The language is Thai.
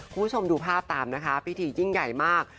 คุณผู้ชมดูภาพตามนะคะพิธียิ่งใหญ่มาก